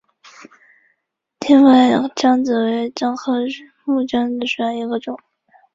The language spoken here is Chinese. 滇木姜子为樟科木姜子属下的一个种。